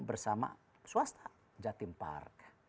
bersama swasta jatim park